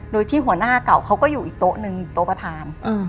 โดยที่หัวหน้าเก่าเขาก็อยู่อีกโต๊ะหนึ่งโต๊ะประธาน